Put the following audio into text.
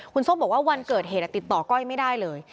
คุณส้มบอกว่าวันเกิดเหตุติดต่อก้อยไม่ได้เลย